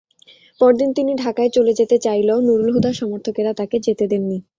পরদিন তিনি ঢাকায় চলে যেতে চাইলেও নূরুল হুদার সমর্থকেরা তাঁকে যেতে দেননি।